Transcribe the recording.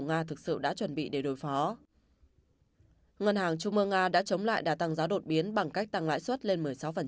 ngân hàng trung mơ nga đã chống lại đà tăng giá đột biến bằng cách tăng lãi suất lên một mươi sáu